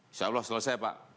insyaallah selesai pak